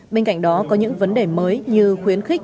bên cạnh đó có những vấn đề mới như khuyến khích